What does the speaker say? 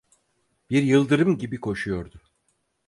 Bir yıldırım gibi koşuyordu.